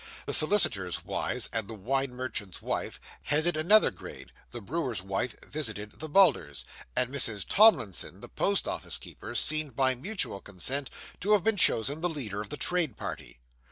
The solicitors' wives, and the wine merchant's wife, headed another grade (the brewer's wife visited the Bulders); and Mrs. Tomlinson, the post office keeper, seemed by mutual consent to have been chosen the leader of the trade party.